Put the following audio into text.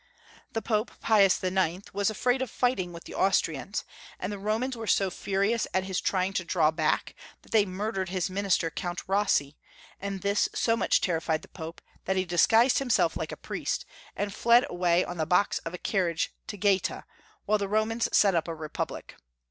The Pope Pius IX., was afraid of fighting with the Austrians, and the Romans were so furious at his trying to draw back that they murdered his minister, Count Rossi, and tliis so much terrified the Pope that he disguised himself like a priest, and fled away on the box of a carriage to Gaeta, while the Romans set up a Republic.